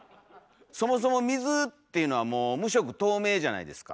そもそも水っていうのは無色透明じゃないですか。